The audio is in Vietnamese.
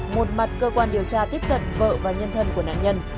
một mặt cơ quan điều tra tiếp cận vợ và nhân thân của nạn nhân